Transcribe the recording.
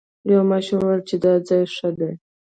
یو ماشوم وویل چې دا ځای ښه دی.